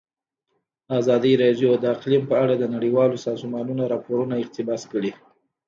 ازادي راډیو د اقلیم په اړه د نړیوالو سازمانونو راپورونه اقتباس کړي.